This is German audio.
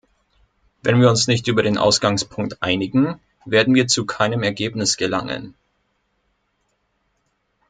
Wenn wir uns nicht über den Ausgangspunkt einigen, werden wir zu keinem Ergebnis gelangen.